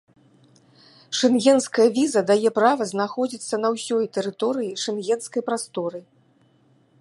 Шэнгенская віза дае права знаходзіцца на ўсёй тэрыторыі шэнгенскай прасторы.